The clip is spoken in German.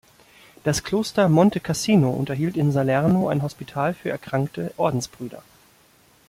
Das Kloster Monte Cassino unterhielt in Salerno ein Hospital für erkrankte Ordensbrüder.